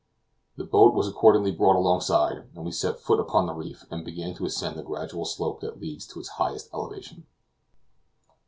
The boat was accordingly brought alongside, and we set foot upon the reef, and began to ascend the gradual slope that leads to its highest elevation.